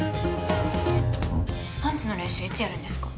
パンチの練習いつやるんですか？